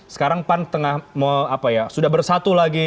sekarang pan tengah sudah bersatu lagi